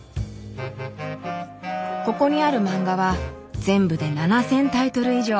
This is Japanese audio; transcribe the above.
ここにあるマンガは全部で７，０００タイトル以上。